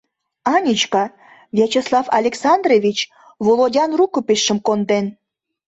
— Анечка, Вячеслав Александрович Володян рукописьшым конден.